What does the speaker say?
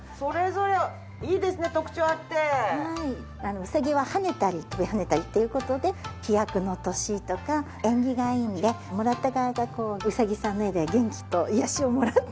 うさぎは跳ねたり跳びはねたりという事で飛躍の年とか縁起がいいのでもらった側がうさぎさんの絵で元気と癒やしをもらって。